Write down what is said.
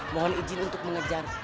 mohon izin untuk mengejar